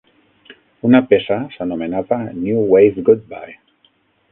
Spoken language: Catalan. Una peça s'anomenava "New Wave Goodbye".